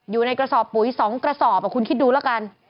อยู่ในกระสอบปุ๋ย๒กระสอบคุณคิดดูแล้วกัน